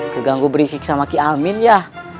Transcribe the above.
keganggu berisik sama ki amin ya